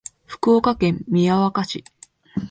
福岡県宮若市